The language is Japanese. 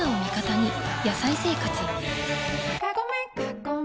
「野菜生活」